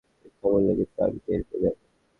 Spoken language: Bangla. মিথ্যা বললে কিন্তু আমি টের পেয়ে যাবো।